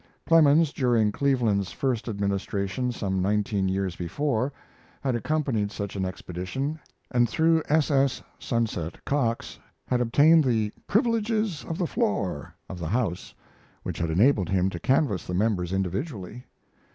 Clemens, during Cleveland's first administration, some nineteen years before, had accompanied such an expedition, and through S. S. ("Sunset") Cox had obtained the "privileges of the floor" of the House, which had enabled him to canvass the members individually.